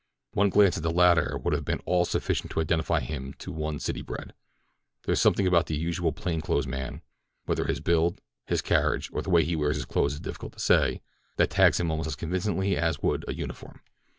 One glance at the latter would have been all sufficient to identify him to one city bred. There is something about the usual plain clothes man—whether his build, his carriage, or the way he wears his clothes, is difficult to say—that tags him almost as convincingly as would a uniform.